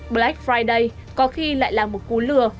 black friday có khi lại là một cú lừa